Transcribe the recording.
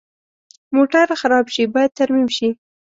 موټر خراب شي، باید ترمیم شي.